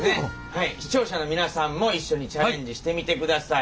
視聴者の皆さんも一緒にチャレンジしてみてください。